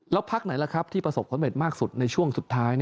แล้วพักไหนล่ะครับที่ประสบความเร็จมากสุดในช่วงสุดท้าย